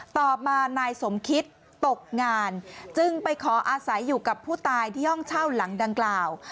ต่อมานายสมคิตตกงานจึงไปขออาศัยอยู่กับผู้ตายที่ห้องเช่าหลังดังกล่าว